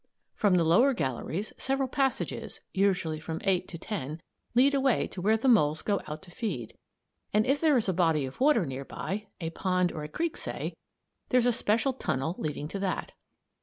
From the lower galleries several passages, usually from eight to ten, lead away to where the moles go out to feed; and if there is a body of water near by a pond or a creek, say there's a special tunnel leading to that.